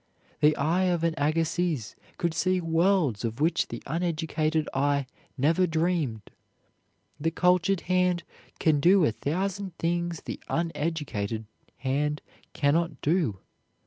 The eye of an Agassiz could see worlds of which the uneducated eye never dreamed. The cultured hand can do a thousand things the uneducated hand can not do.